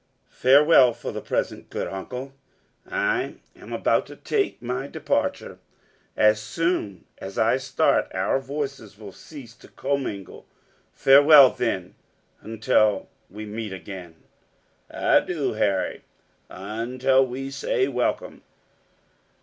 "Farewell for the present, good uncle, I am about to take my departure. As soon as I start, our voices will cease to commingle. Farewell, then, until we meet again." .......... "Adieu, Harry until we say Welcome."